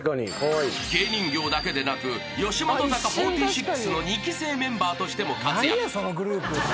［芸人業だけでなく吉本坂４６の２期生メンバーとしても活躍］